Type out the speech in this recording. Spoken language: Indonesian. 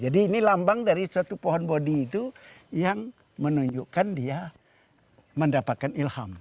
jadi ini adalah yang terdampak dari suatu pohon bodi itu yang menunjukkan dia mendapatkan ilham